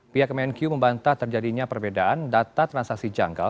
pihak kemenq membantah terjadinya perbedaan data transaksi janggal